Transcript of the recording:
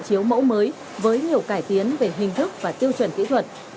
chiếu mẫu mới với nhiều cải tiến về hình thức và tiêu chuẩn kỹ thuật